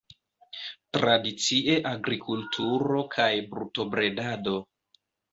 Tradicie agrikulturo kaj brutobredado.